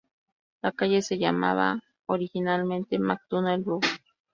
La calle se llamaba originalmente MacDonnell Road.